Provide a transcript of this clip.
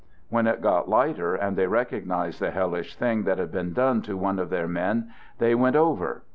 When it got lighter, and they recognized the [ hellish thing that had been done to one of their ; men, they went over.